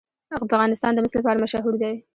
افغانستان د مس لپاره مشهور دی.